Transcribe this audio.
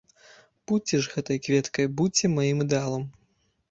Будзьце ж гэтай кветкай, будзьце маім ідэалам!